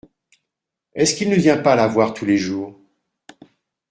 Est-ce qu’il ne vient pas la voir tous les jours ?